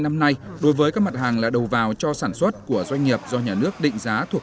năm nay đối với các mặt hàng là đầu vào cho sản xuất của doanh nghiệp do nhà nước định giá thuộc